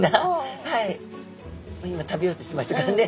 今食べようとしてましたからね